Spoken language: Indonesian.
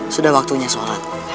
sudah waktunya sholat